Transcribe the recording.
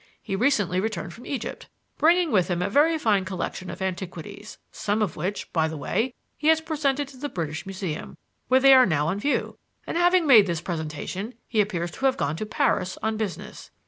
He recently returned from Egypt, bringing with him a very fine collection of antiquities some of which, by the way, he has presented to the British Museum, where they are now on view and having made this presentation, he appears to have gone to Paris on business.